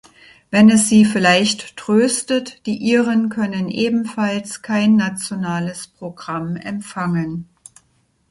Wenn es sie vielleicht tröstet die Iren können ebenfalls kein nationales Programm empfangen.